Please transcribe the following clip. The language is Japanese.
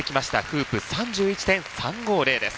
フープ３１．３５０です。